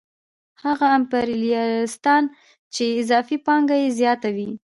هغه امپریالیستان چې اضافي پانګه یې زیاته وي